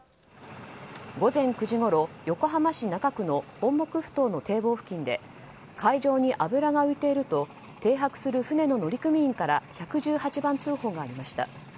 午前９時ごろ横浜市中区の本牧ふ頭の堤防付近で海上に油が浮いていると停泊する船の乗組員から１１８番通報がありました。